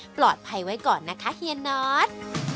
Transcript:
ปลอดภัยไว้ก่อนนะคะเฮียนอท